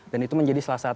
dan itu menjadi salah satu